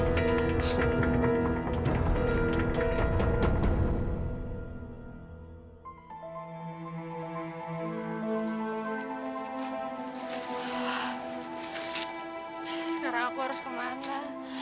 sekarang aku harus kemana